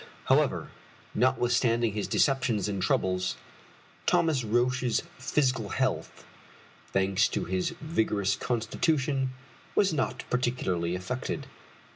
However, notwithstanding his deceptions and troubles, Thomas Roch's physical health, thanks to his vigorous constitution, was not particularly affected.